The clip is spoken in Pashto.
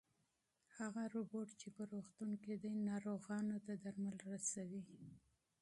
هغه روبوټ چې په روغتون کې دی ناروغانو ته درمل رسوي.